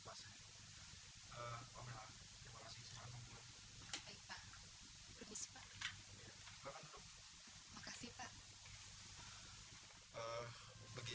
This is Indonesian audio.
langka sekali menemukan lelaki